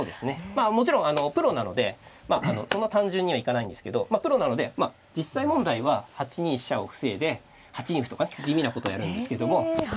まあもちろんプロなのでそんな単純にはいかないんですけどプロなので実際問題は８ニ飛車を防いで８ニ歩とか地味なことやるんですけども。